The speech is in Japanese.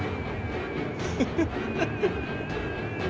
フフフ。